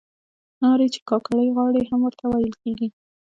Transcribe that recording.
نارې چې کاکړۍ غاړې هم ورته ویل کیږي.